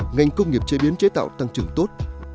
ngành công nghiệp chế biến chế tạo tăng trưởng tốt